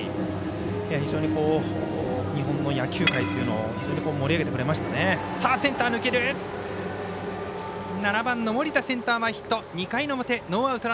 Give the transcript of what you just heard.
非常に日本の野球界というのを盛り上げてくれましたよね。